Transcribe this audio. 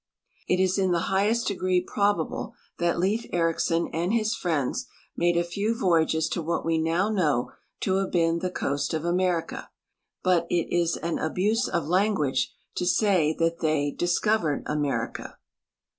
" It is in the highest degree probable that Lief Ericsson and his friends made a few voyages to what we now know to have been the coast of America ; but it is an abuse of language to say that they ' dis covered' America."